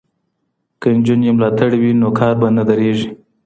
که نجونې ملاتړې وي نو کار به نه درېږي.